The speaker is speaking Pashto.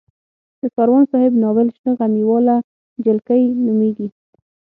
د کاروان صاحب ناول شنه غمي واله جلکۍ نومېږي.